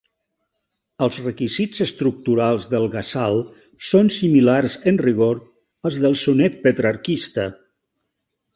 Els requisits estructurals del gazal són similars en rigor als del sonet petrarquista.